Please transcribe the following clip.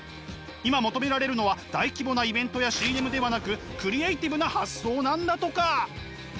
今求められるのは大規模なイベントやＣＭではなくクリエーティブな発想なんだとか！